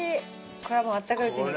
これはもうあったかいうちに。